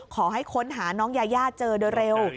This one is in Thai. ขอให้ค้นหาน้องยายาเจอโดยเร็ว